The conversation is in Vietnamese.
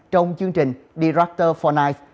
trong chương trình director for night